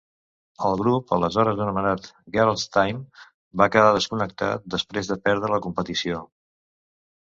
El grup, aleshores anomenat "Girl's Tyme", va quedar desconcertat després de perdre la competició.